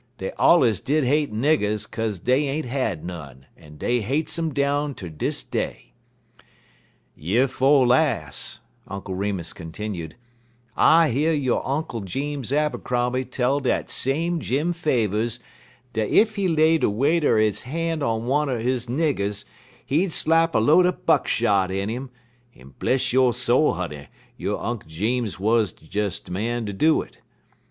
Dey allers did hate niggers kase dey ain't had none, en dey hates um down ter dis day. "Year 'fo' las'," Uncle Remus continued, "I year yo Unk' Jeems Abercrombie tell dat same Jim Favers dat ef he lay de weight er he han' on one er his niggers, he'd slap a load er buck shot in 'im; en, bless yo' soul, honey, yo' Unk' Jeems wuz des de man ter do it.